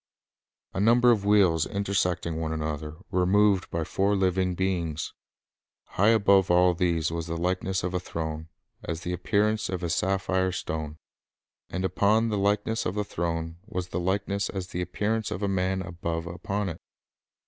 A number of wheels, intersecting one another, were moved by four living beings. High above all these was the "likeness of a throne, as the appearance of a sapphire stone; and upon the likeness of the throne was the likeness as the appearance of a man above upon it."